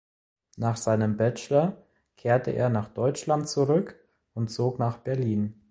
Nach seinem Bachelor kehrte er nach Deutschland zurück und zog nach Berlin.